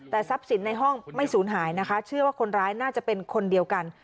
แต่ทรัพย์สินในห้องไม่สูญหายนะคะเชื่อว่าคนร้ายน่าจะเป็นคนเดียวกัน